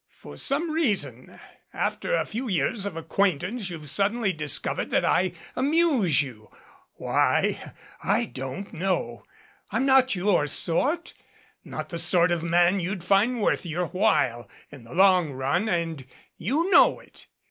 For some reason, after a few years of acquaintance you've suddenly discovered that I amuse you. Why, I don't know. I'm not your sort not the sort of man you'd find worth your while in the long run, and you know it.